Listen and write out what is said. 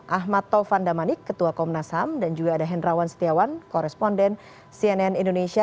ahmad tovandamanik ketua komnas ham dan juga ada henrawan setiawan koresponden cnn indonesia